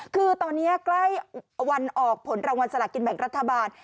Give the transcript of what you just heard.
คือตอนนี้ใกล้วันออกผลรางวัลสละกินแบ่งรัฐบาล